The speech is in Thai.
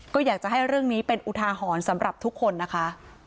ก็อยากจะให้เรื่องนี้เป็นอุทาหรณ์สำหรับทุกคนนะคะ